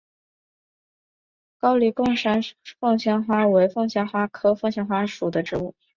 高黎贡山凤仙花为凤仙花科凤仙花属的植物。